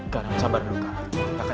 kak ram sabar dong kak